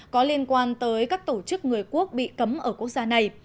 có liên quan tới các tổ chức người quốc bị cấm ở quốc gia này